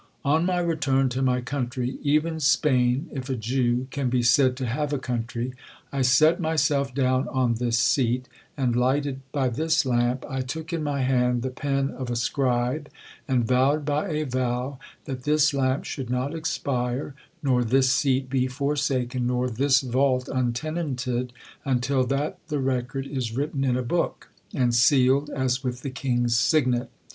'Oh my return to my country, even Spain, if a Jew can be said to have a country, I set myself down on this seat, and, lighted by this lamp, I took in my hand the pen of a scribe, and vowed by a vow, that this lamp should not expire, nor this seat be forsaken, nor this vault untenanted, until that the record is written in a book, and sealed as with the king's signet.